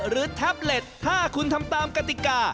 แท็บเล็ตถ้าคุณทำตามกติกา